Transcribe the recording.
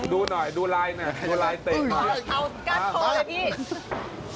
ดูหน่อยดูลายหน่อยติด